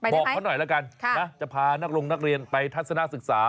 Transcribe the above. บอกเขาหน่อยละกันจะพานักลงนักเรียนไปทัศนาศึกษา